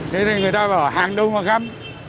thế thì người ta bảo hàng đâu mà găm